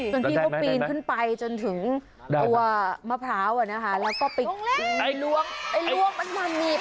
ส่วนพี่ก็ปีนขึ้นไปจนถึงตัวมะพร้าวนะคะแล้วก็ไปล้วงไอ้ล่วงมันว่ามีบ